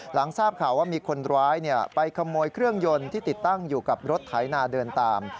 หลังทราบข่าวว่ามีคนร้ายไปขโมยเครื่องยนต์ที่ติดตั้งอยู่กับรถไถนาเดินตาม